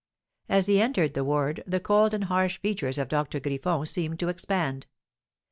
As he entered the ward, the cold and harsh features of Doctor Griffon seemed to expand.